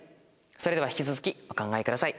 それでは引き続きお考えください。